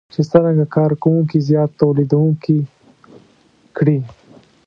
چې څرنګه کار کوونکي زیات توليدونکي کړي.